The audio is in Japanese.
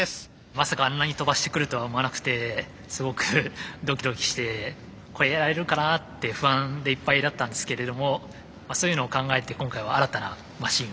まさかあんなに跳ばしてくるとは思わなくてすごくドキドキして超えられるかなって不安でいっぱいだったんですけれどもそういうのを考えて今回は新たなマシンを。